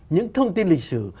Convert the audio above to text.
những thông tin lịch sử